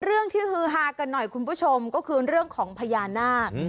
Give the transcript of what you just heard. เรื่องที่ฮือฮากันหน่อยคุณผู้ชมก็คือเรื่องของพญานาค